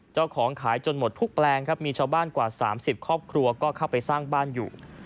เจ้าของขายจนหมดทุกแปลงครับมีชาวบ้านกว่า๓๐ครอบครัวก็เข้าไปสร้างบ้านอยู่